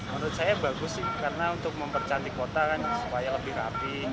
menurut saya bagus sih karena untuk mempercantik kota kan supaya lebih rapi